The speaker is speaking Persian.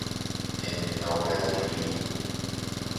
انحناپذیری